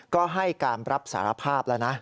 ก็ให้การรับสารภาพแล้วนะ